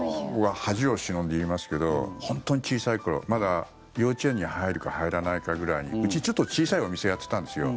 恥を忍んで言いますけど本当に小さい頃まだ幼稚園に入るか入らないかぐらいにうち、ちょっと小さいお店をやってたんですよ。